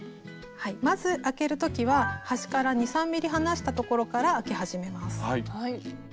まずあける時は端から２３ｍｍ離したところからあけ始めます。